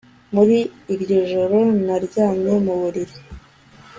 muri iryo joro naryamye mu buriri